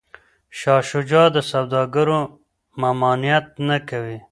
شاه شجاع د سوداګرو ممانعت نه کوي.